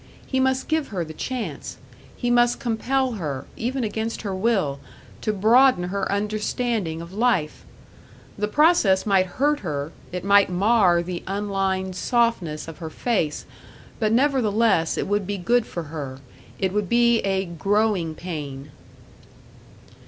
He must give her the chance; he must compel her, even against her will, to broaden her understanding of life! The process might hurt her, it might mar the unlined softness of her face, but nevertheless, it would be good for her it would be a "growing pain"!